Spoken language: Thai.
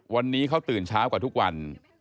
วันนี้เขาตื่นเช้ากว่าทุกวัน